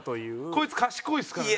こいつ賢いですからね。